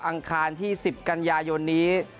อังคารที่๑๐กันยายนนี้